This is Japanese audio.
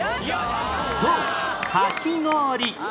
そうかき氷